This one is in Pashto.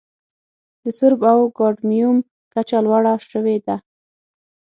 د سرب او کاډمیوم کچه لوړه شوې ده.